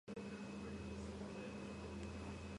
ნახევარწრიული აფსიდის ღერძზე ვიწრო სწორკუთხა სარკმელი ყოფილა.